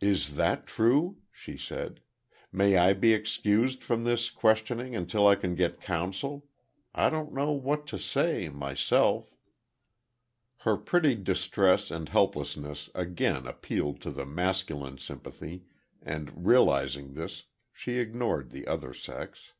"Is that true?" she said, "may I be excused from this questioning until I can get counsel? I don't know what to say—myself—" Her pretty distress and helplessness again appealed to the masculine sympathy, and, realizing this, she ignored the other sex.